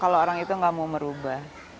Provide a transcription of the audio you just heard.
kalau orang itu gak mau merubah